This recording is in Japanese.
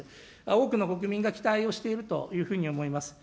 多くの国民が期待をしているというふうに思います。